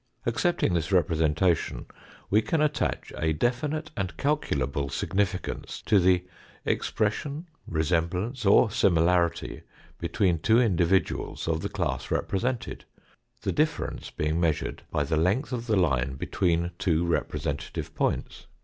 Accepting this representation we can attach a definite and calculable significance to the expression, resemblance, or similarity between two indi viduals of the class represented, the difference being measured by the length of the line between two repre sentative points.